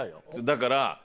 だから。